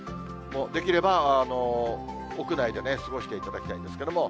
できれば屋内で過ごしていただきたいんですけれども。